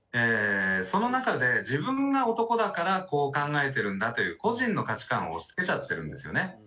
その中で自分が男だからこう考えてるんだという個人の価値観を押しつけちゃってるんですよね。